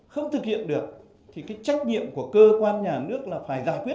không thực hiện được thì cái trách nhiệm của cơ quan nhà nước là phải giải quyết